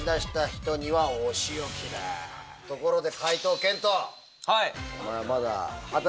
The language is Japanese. ところで。